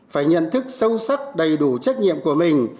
phải nhận thức sâu sắc đầy đủ trách nhiệm của mình